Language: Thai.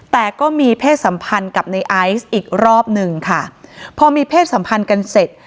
แต่ก็มีเพศสัมพันธ์กับในไอซ์อีกรอบหนึ่งค่ะพอมีเพศสัมพันธ์กันเสร็จ